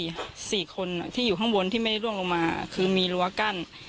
สี่คนที่อยู่ข้างบนที่ไม่ได้ร่วงลงมาคือมีรั้วกั้น